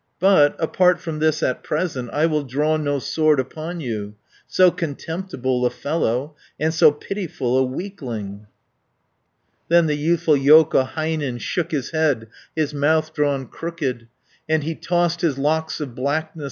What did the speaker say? But, apart from this at present, I will draw no sword upon you, So contemptible a fellow, And so pitiful a weakling." 270 Then the youthful Joukahainen Shook his head, his mouth drawn crooked, And he tossed his locks of blackness.